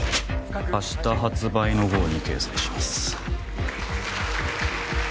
明日発売の号に掲載します